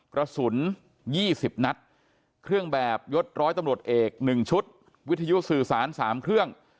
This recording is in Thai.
กระสุน๒๐นัดเครื่องแบบยดร้อยตำรวจเอก๑ชุดวิทยุสื่อสาร๓เครื่อง